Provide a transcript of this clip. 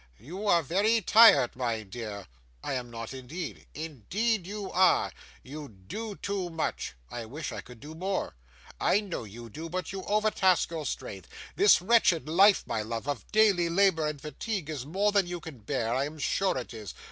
You are very tired, my dear.' 'I am not, indeed.' 'Indeed you are. You do too much.' 'I wish I could do more.' 'I know you do, but you overtask your strength. This wretched life, my love, of daily labour and fatigue, is more than you can bear, I am sure it is.